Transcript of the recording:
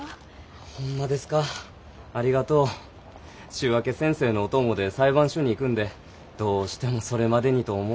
週明け先生のお供で裁判所に行くんでどうしてもそれまでにと思うて。